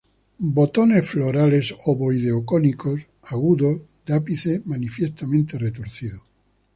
Botones florales ovoideo-cónicos, agudos, de ápice manifiestamente retorcido.